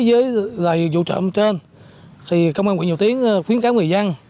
đối với vụ trộm trên công an huyện dầu tiếng khuyến cáo người dân